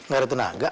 gak ada tenaga